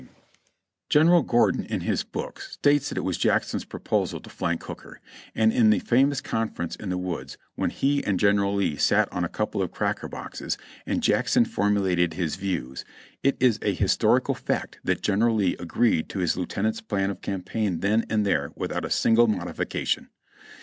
356 JOHNNY REB AND BILLY YANK General Gordon, in his book, states that it was Jackson's proposal to flank Hooker, and in the famous conference in the woods, when he and General Lee sat on a couple of cracker boxes, and Jackson formulated his views, it is a historical fact that General Lee agreed to his lieutenant's plan of campaign then and there without a single modification.